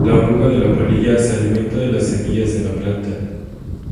La oruga de la polilla se alimenta de las semillas de la planta.